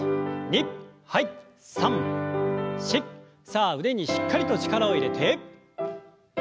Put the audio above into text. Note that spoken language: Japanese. さあ腕にしっかりと力を入れて。